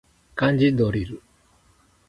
漢字ドリル